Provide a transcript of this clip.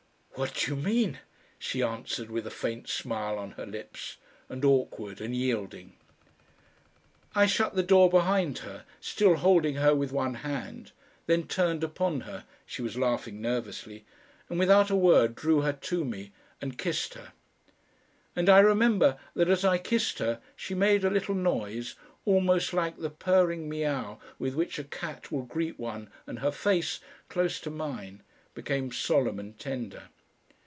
"What do you mean?" she answered with a faint smile on her lips, and awkward and yielding. I shut the door behind her, still holding her with one hand, then turned upon her she was laughing nervously and without a word drew her to me and kissed her. And I remember that as I kissed her she made a little noise almost like the purring miaow with which a cat will greet one and her face, close to mine, became solemn and tender.